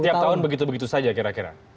setiap tahun begitu begitu saja kira kira